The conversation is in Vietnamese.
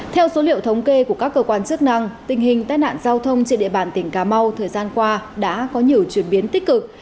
theo số liệu thống kê của các cơ quan chức năng tình hình tai nạn giao thông trên địa bàn tỉnh cà mau thời gian qua đã có nhiều chuyển biến tích cực